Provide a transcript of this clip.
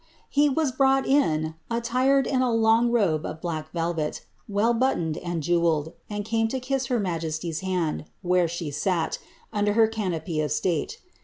ie was brought in, attired in a long robe of black Telfet, well but* cd wuA jew^ed, and came to luss her majesty's hand, whcare she sat, ler her canopy of state.